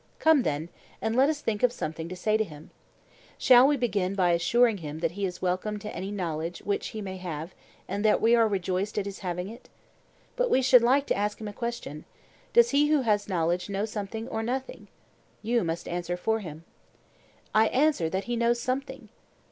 Come, then, and let us think of something to say to him. Shall we begin by assuring him that he is welcome to any knowledge which he may have, and that we are rejoiced at his having it? But we should like to ask him a question: Does he who has knowledge know something or nothing? (You must answer for him.) I answer that he knows something.